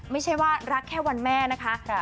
ไม่ใช่ว่ารักแค่วันแม่นะคะ